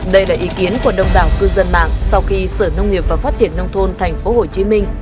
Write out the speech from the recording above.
đây là ý kiến của đồng đảng cư dân mạng sau khi sở nông nghiệp và phát triển nông thôn tp hcm